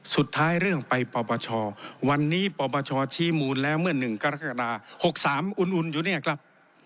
เรื่องไปปปชวันนี้ปปชชี้มูลแล้วเมื่อ๑กรกฎา๖๓อุ่นอยู่เนี่ยครับ